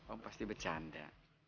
om pasti bercanda